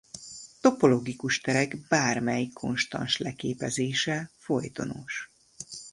Topologikus terek bármely konstans leképezése folytonos.